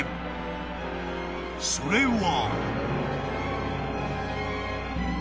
［それは］